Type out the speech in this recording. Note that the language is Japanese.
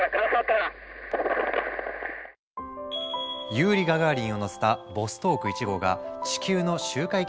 ユーリイ・ガガーリンを乗せたボストーク１号が地球の周回軌道を一周。